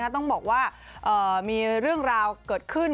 ต้องบอกว่ามีเรื่องราวเกิดขึ้น